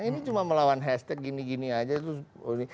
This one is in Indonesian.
ini cuma melawan hashtag gini gini aja terus